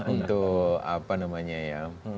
untuk apa namanya ya